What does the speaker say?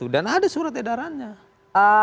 dan ada surat edarannya